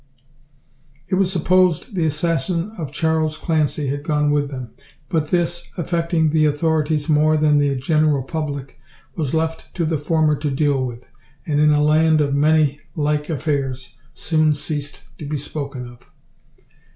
It was supposed the assassin of Charles Clancy had gone with them; but this, affecting the authorities more than the general public, was left to the former to deal with; and in a land of many like affairs, soon ceased to be spoken of.